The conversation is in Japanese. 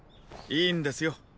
いいんですよ